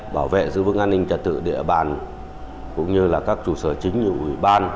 bảo vệ giữ vững an ninh trật tự địa bàn cũng như là các chủ sở chính như ủy ban